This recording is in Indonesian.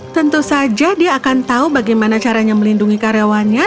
tentu saja dia akan tahu bagaimana caranya melindungi karyawannya